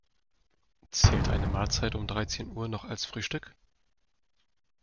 Zählt eine Mahlzeit um dreizehn Uhr noch als Frühstück?